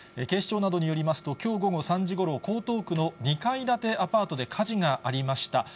警視庁などによりますと、きょう午後３時ごろ、江東区の２階建てアパートで火事がありました。